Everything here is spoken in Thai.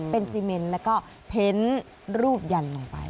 เป็นซีเมนแล้วก็เพ้นรูปยันลงไป